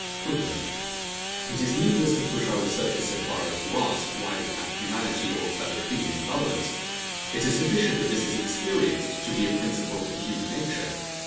[FOOTNOTE: It is needless to push our researches so far as to ask, why we have humanity or a fellow feeling with others. It is sufficient, that this is experienced to be a principle in human nature.